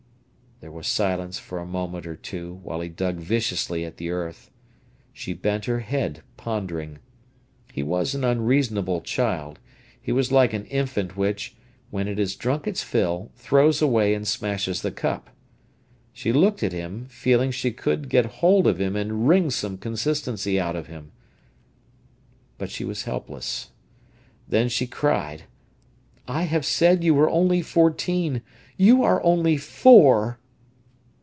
There was silence for a moment or two, while he dug viciously at the earth. She bent her head, pondering. He was an unreasonable child. He was like an infant which, when it has drunk its fill, throws away and smashes the cup. She looked at him, feeling she could get hold of him and wring some consistency out of him. But she was helpless. Then she cried: "I have said you were only fourteen—you are only _four!